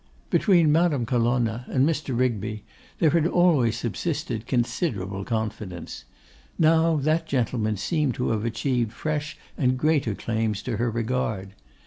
Between Madame Colonna and Mr. Rigby there had always subsisted considerable confidence. Now, that gentleman seemed to have achieved fresh and greater claims to her regard.